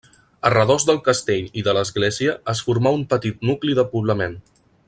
A redós del castell i de l'església es formà un petit nucli de poblament.